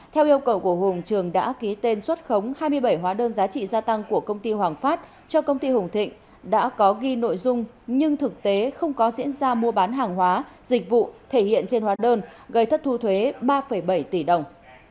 theo yêu cầu của hùng trường đã ký tên xuất khống hai mươi bảy hóa đơn giá trị gia tăng của công ty hoàng phát cho công ty hùng thịnh đã có ghi nội dung nhưng thực tế không có diễn ra mua bán hàng hóa dịch vụ thể hiện trên hóa đơn gây thất thu thuế ba bảy tỷ đồng